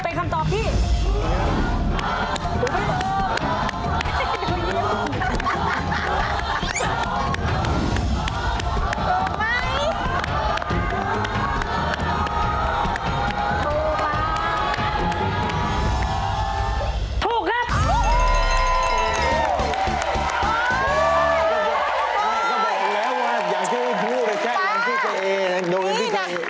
ได้เหรอก็บอกแล้วว่าอย่างคุณพ่อแชทอย่างพี่เจ๊